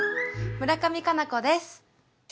村上佳菜子です。